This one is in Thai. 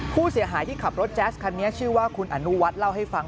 ผู้เสียหายที่ขับรถแจ๊สคันนี้ชื่อว่าคุณอนุวัฒน์เล่าให้ฟัง